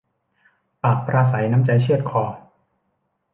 ปากปราศรัยน้ำใจเชือดคอ